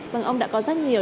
vâng ông đã có rất nhiều